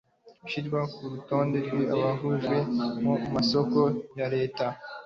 ushyirwa kurutonde rw' abahejwe mu masoko ya leta